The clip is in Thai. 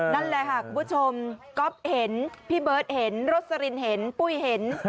นั่นแหละค่ะคุณผู้ชมก๊อฟเห็นพี่เบิร์ตเห็นโรสลินเห็นปุ้ยเห็น